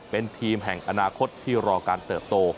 เป็นทีมแห่งอนาคตที่รอการเติบโต